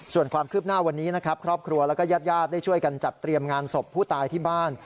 ส่วนความคืบหน้าวันนี้ครอบครัวและญาติได้ช่วยกันจัดเตรียมงานสมพู่ตายบ้าน